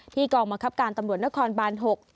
ที่กองมะครับการตำรวจนครบานหก